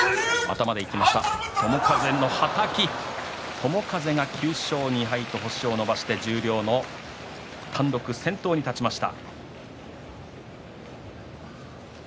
友風が９勝２敗と星を伸ばして十両単独先頭に立ちました。